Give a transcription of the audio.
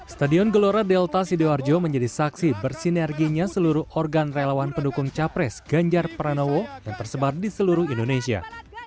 stadion gelora delta sidoarjo menjadi saksi bersinerginya seluruh organ relawan pendukung capres ganjar pranowo yang tersebar di seluruh indonesia